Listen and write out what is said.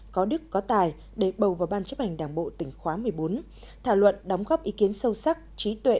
có đức có tài để bầu vào ban chấp hành đảng bộ tỉnh khóa một mươi bốn thảo luận đóng góp ý kiến sâu sắc trí tuệ